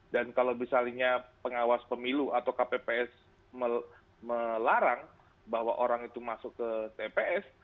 dan kalau misalnya pengawas pemilu atau kpps melarang bahwa orang itu masuk ke tps